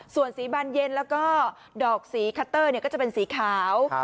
ส่วนสีบานเย็นแล้วก็ดอกสีคัตเตอร์ก็จะเป็นสีขาว